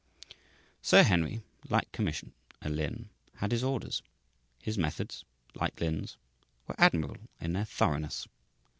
Sir Henry, like Commissioner Lin, had his orders. His methods, like Lin's, were admirable in their thoroughness.